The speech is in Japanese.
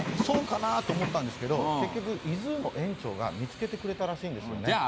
そうかなと思ったんですけど結局ｉＺｏｏの園長が見つけてくれたらしいんですよね。